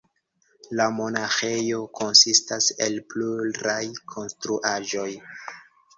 La monaĥejo konsistas el pluraj konstruaĵoj.